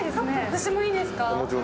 私もいいですか。